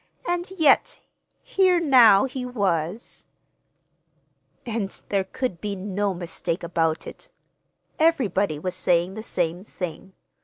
And yet, here now he was— And there could be no mistake about it. Everybody was saying the same thing.